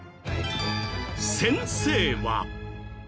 先生は。